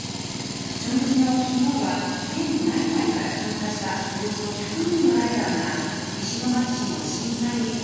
初日の昨日は県内外から参加したおよそ１００人のライダーが石巻市の震災遺構